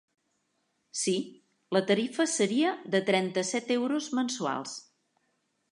Sí, la tarifa seria de trenta-set euros mensuals.